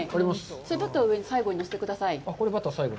そのバターを最後にのせてください。